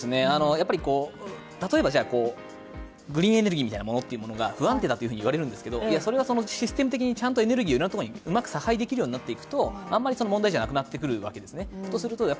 やっぱり例えば、グリーンエネルギーみたいなものが不安定と言われるんですが、それはシステム的にちゃんとエネルギーをいろいろなところにうまく差配できるようになっていくとあまり問題じゃなくなってくるわけですね